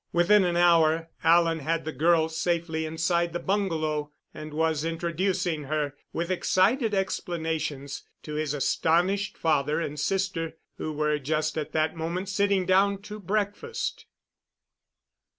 Within an hour Alan had the girl safely inside the bungalow, and was introducing her, with excited explanations, to his astonished father and sister, who were just at that moment sitting down to breakfast.